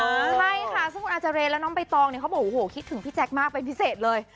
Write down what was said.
ใช่ค่ะซึ่งคุณอาเจรและน้องใบตองเนี่ยเขาบอกโอ้โหคิดถึงพี่แจ๊คมากเป็นพิเศษเลย